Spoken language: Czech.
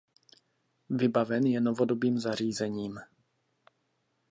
Vybaven je novodobým zařízením.